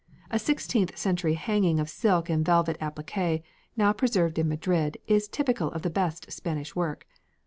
A sixteenth century hanging of silk and velvet appliqué, now preserved in Madrid, is typical of the best Spanish work.